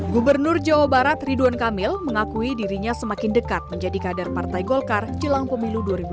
gubernur jawa barat ridwan kamil mengakui dirinya semakin dekat menjadi kader partai golkar jelang pemilu dua ribu dua puluh